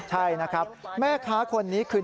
ใช่นะครับแม่ค้าคนนี้คือ